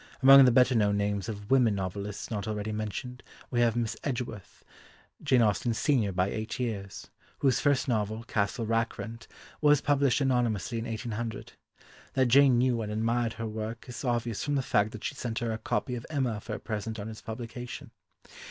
Among the better known names of women novelists not already mentioned we have Miss Edgeworth, Jane Austen's senior by eight years, whose first novel, Castle Rackrent, was published anonymously in 1800. That Jane knew and admired her work is obvious from the fact that she sent her a copy of Emma for a present on its publication.